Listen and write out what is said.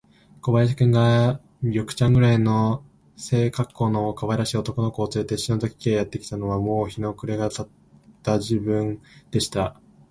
小林君が、緑ちゃんくらいの背かっこうのかわいらしい男の子をつれて、篠崎家へやってきたのは、もう日の暮れがた時分でした。